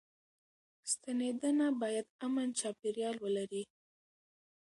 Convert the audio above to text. ستنېدنه بايد امن چاپيريال ولري.